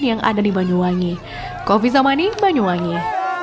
yang ada di banyuwangi